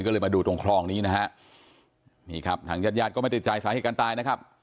ก็เลยมาดูตรงคลองนี้นะฮะนี่ครับทางญาติญาติก็ไม่ได้ใจสาเหตุการณ์ตายนะครับ